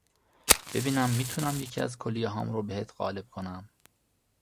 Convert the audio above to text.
ببینم می تونم یکی از کلیه هام رو بهت قالب کنم